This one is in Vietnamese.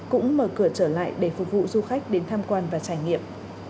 cũng mở cửa trở lại để phục vụ du khách đến tham quan và trải nghiệm